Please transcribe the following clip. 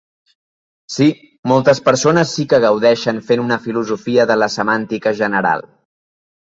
Sí, moltes persones sí que gaudeixen fent una filosofia de la semàntica general.